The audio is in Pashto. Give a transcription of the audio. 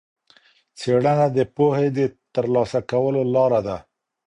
څېړنه د پوهي د ترلاسه کولو لاره ده.